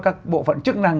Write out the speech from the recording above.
các bộ phận chức năng